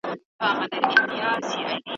څېړنې ښيي چې پایلې یې هیله بښونکې دي.